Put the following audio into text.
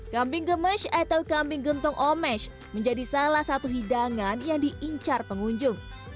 kambing gemes atau kambing gentong omesh menjadi salah satu hidangan yang diincar pengunjung